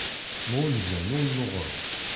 Mɣunzan ur nnuɣen.